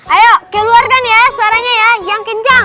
ayo keluarkan ya suaranya ya yang kencang